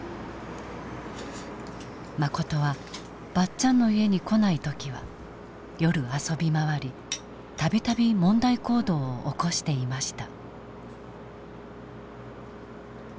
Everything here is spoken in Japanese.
マコトはばっちゃんの家に来ない時は夜遊び回り度々問題行動を起こしていました。